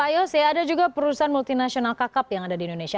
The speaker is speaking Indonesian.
pak yose ada juga perusahaan multinasional kakap yang ada di indonesia